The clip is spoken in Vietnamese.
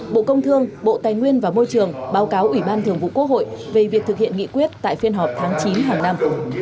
bộ công thương bộ tài nguyên và môi trường báo cáo ủy ban thường vụ quốc hội về việc thực hiện nghị quyết tại phiên họp tháng chín hàng năm